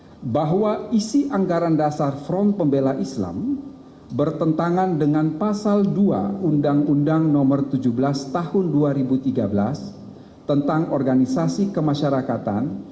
pertama bahwa isi anggaran dasar front pembela islam bertentangan dengan pasal dua undang undang nomor tujuh belas tahun dua ribu tiga belas tentang organisasi kemasyarakatan